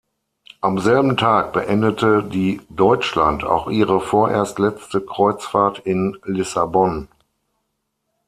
Am selben Tag beendete die "Deutschland" auch ihre vorerst letzte Kreuzfahrt in Lissabon.